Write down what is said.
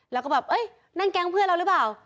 แล้วก็แบบเอ้ยนั่นแก๊งเพื่อนเราหรือเปล่า